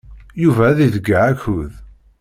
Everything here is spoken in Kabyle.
Yuba ad iḍeyyeɛ akud.